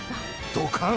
ドカン。